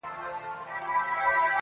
ځوان لگيا دی.